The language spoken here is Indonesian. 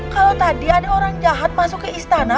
kalau tadi ada orang jahat masuk ke istana